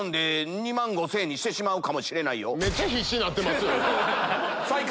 めっちゃ必死になってますよ。